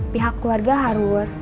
pihak keluarga harus